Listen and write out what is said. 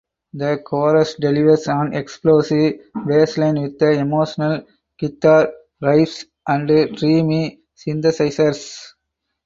The chorus delivers an "explosive" bassline with "emotional" guitar riffs and "dreamy" synthesizers.